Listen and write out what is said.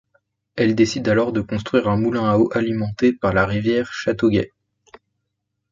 Elle décide alors de construire un moulin à eau alimenté par la rivière Châteauguay.